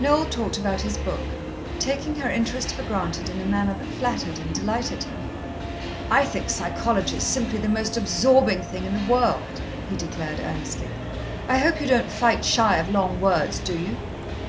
Noel talked about his book, taking her interest for granted in a manner that flattered and delighted her. "I think psychology is simply the most absorbing thing in the world," he declared earnestly. "I hope you don't fight shy of long words, do you?"